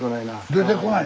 出てこない？